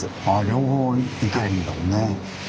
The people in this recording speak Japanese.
両方行けるんだもんね。